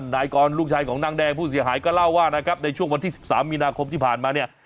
นายกรลูกชายของนางแดงผู้เสียหายก็เล่าว่านะครับในช่วงวันที่๑๓มีนาคมที่ผ่านมาเนี่ย